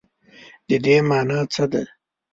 د دې مانا څه ده ؟